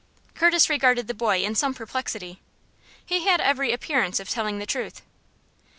Curtis regarded the boy in some perplexity. He had every appearance of telling the truth.